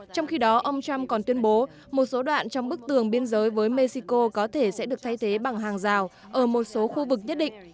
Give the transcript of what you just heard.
trong khi đó ông trump còn tuyên bố một số đoạn trong bức tường biên giới với mexico có thể sẽ được thay thế bằng hàng rào ở một số khu vực nhất định